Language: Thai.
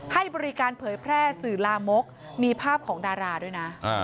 ให้บริการเผยแพร่สื่อลามกมีภาพของดาราด้วยนะ